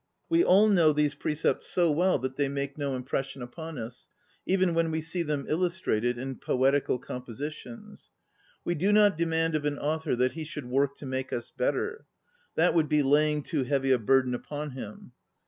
We all know these precepts so well that they make no impression upon us, even when we see them illustrated in poetical compositions. We do not demand of an author that he should work to make us better; that would be laying too heavy a burden upon him.